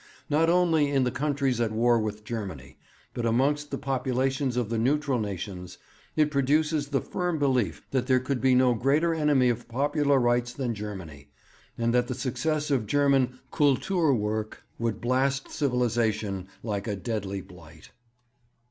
Not only in the countries at war with Germany, but amongst the populations of the neutral nations, it produces the firm belief that there could be no greater enemy of popular rights than Germany, and that the success of German "Kultur" work would blast civilization like a deadly blight.'